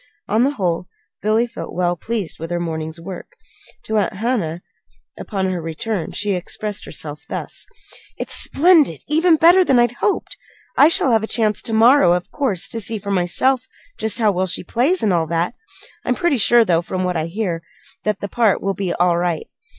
On the whole, Billy felt well pleased with her morning's work. To Aunt Hannah, upon her return, she expressed herself thus: "It's splendid even better than I hoped. I shall have a chance to morrow, of course, to see for myself just how well she plays, and all that. I'm pretty sure, though, from what I hear, that that part will be all right.